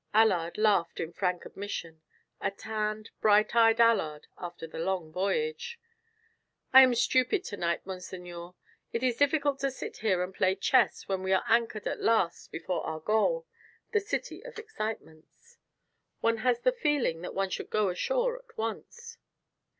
Allard laughed in frank admission, a tanned, bright eyed Allard after the long voyage. "I am stupid to night, monseigneur. It is difficult to sit here and play chess when we are anchored at last before our goal, the city of excitements. One has the feeling that one should go ashore at once."